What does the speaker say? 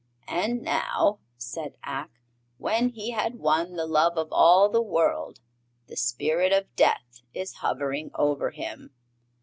"And now," said Ak, "when he had won the love of all the world, the Spirit of Death is hovering over him.